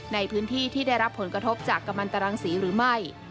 ในพื้นที่ที่ได้รับผลกระทบจากกำลังตรังสีหรือไม่